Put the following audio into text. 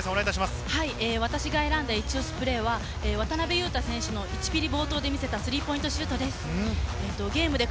私が選んだイチオシプレーは、渡邊雄太選手の１ピリで見せたスリーポイントシュートです。